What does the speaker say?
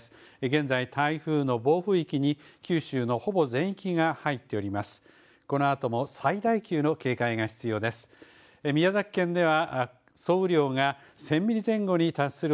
現在、台風の暴風域に九州のほぼ全域が入っております。